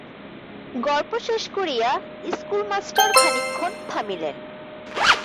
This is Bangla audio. গল্প শেষ করিয়া ইস্কুলমাস্টার খানিকক্ষণ থামিলেন।